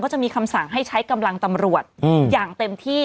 จะมีคำสั่งให้ใช้กำลังตำรวจอย่างเต็มที่